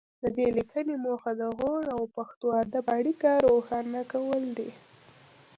د دې لیکنې موخه د غور او پښتو ادب اړیکه روښانه کول دي